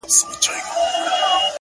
• څه عجيبه جوارگر دي اموخته کړم ـ